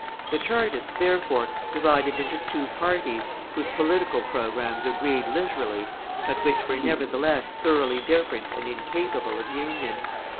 The Chartists therefore divided into two parties whose political programmes agreed literally, but which were nevertheless thoroughly different and incapable of union.